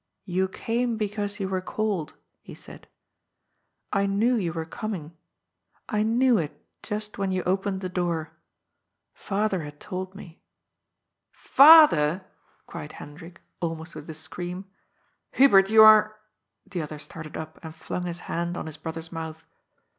" You came because you were called," he said. *' I knew you were coming. I knew it just when you opened the door. Father had told me." " Father I " cried Hendrik, almost with a scream. " Hu bert, you are " The other started up and flung his hand on his brother's mouth.